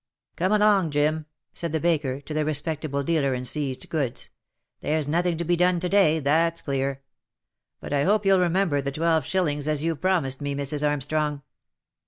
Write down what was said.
" Come along, Jim !" said the baker to the respectable dealer in seized goods, " there's nothing to be done to day, that's clear. But I hope you'll remember the twelve shillings as you've promised me, Mrs. Armstrong."